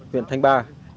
huyện thanh ba